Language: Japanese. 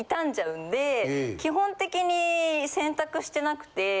基本的に洗濯してなくて。